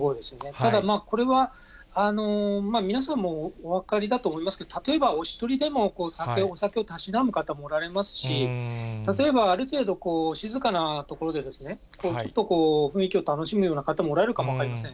ただ、これは皆さんもお分かりだと思いますけど、例えば、お１人でもお酒をたしなむ方もおられますし、例えばある程度静かな所で、ちょっとこう、雰囲気を楽しむような方もおられるかも分かりません。